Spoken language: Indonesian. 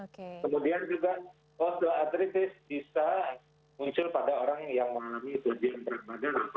kemudian juga osteoartritis bisa muncul pada orang yang mengalami gejian berat badan atau obesitas